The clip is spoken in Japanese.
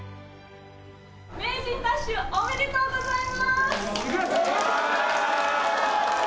名人奪取、おめでとうございます！